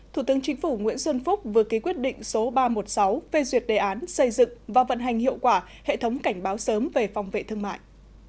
thủ tướng chính phủ nguyễn xuân phúc vừa ký quyết định số ba trăm một mươi sáu về duyệt đề án xây dựng và vận hành hiệu quả hệ thống cảnh báo sớm về phòng vệ thương mại